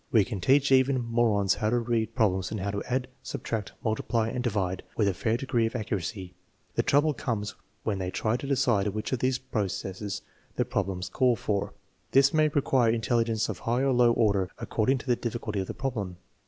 We can teach even morons how to read problems and how to add, subtract, multiply, and divide with a fair degree of accuracy; the trouble comes when they try to decide which of these processes the prob lem calls for. This may require intelligence of high or low order, according to the difficulty of the problem.